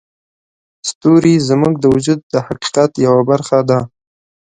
ستوري زموږ د وجود د حقیقت یوه برخه دي.